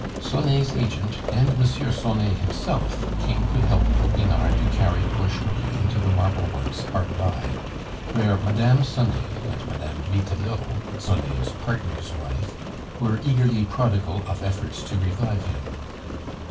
Sonet's agent and M. Sonet himself came to help Topinard to carry poor Schmucke into the marble works hard by, where Mme. Sonet and Mme. Vitelot (Sonet's partner's wife) were eagerly prodigal of efforts to revive him.